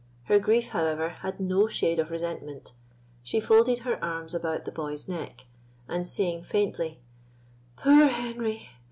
Her grief, however, had no shade of resentment; she folded her arms about the boy's neck, and saying faintly, "Poor Henry!